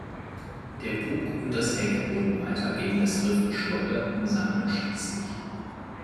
Der Bug und das Heck wurden weiter gegen das Riff geschleudert und sanken schließlich.